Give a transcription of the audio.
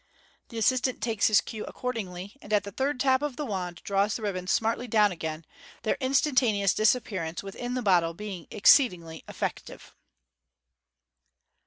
The assistant takes his cue accordingly, and at the third tap of the wand draws the ribbons smartly down again j their instantaneous disappearance within the bottle being exceedingly effective.